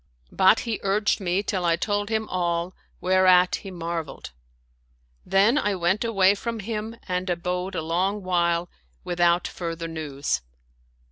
But he urged me till I told him all, whereat he marveled. Then I went away from him and abode a long while, without further news.